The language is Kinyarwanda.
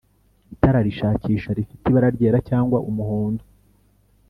itara rishakisha rifite ibara ryera cyangwa umuhondo.